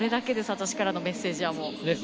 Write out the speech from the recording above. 私からのメッセージは。